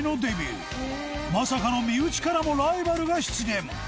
まさかの身内からもライバルが出現。